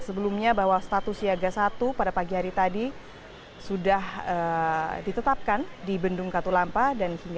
sebelumnya bahwa status siaga satu pada pagi hari tadi sudah ditetapkan di bendung katulampa